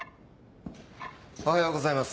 おはようございます。